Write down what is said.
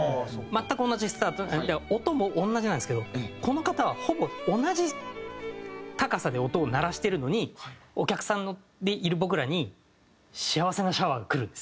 全く同じスタートだから音も同じなんですけどこの方はほぼ同じ高さで音を鳴らしてるのにお客さんでいる僕らに幸せなシャワーがくるんですよ。